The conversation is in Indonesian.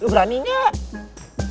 lo berani gak